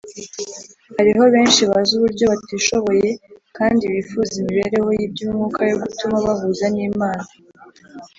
. Hariho benshi bazi uburyo batishoboye kandi bifuza imibereho y’iby’umwuka yo gutuma bahuza n’Imana;